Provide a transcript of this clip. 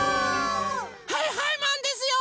はいはいマンですよ！